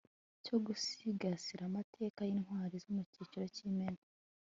cyo gusigasira amateka y'intwari zo mu kiciro k'imena